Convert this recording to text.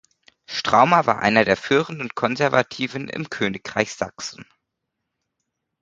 Straumer war einer der führenden Konservativen im Königreich Sachsen.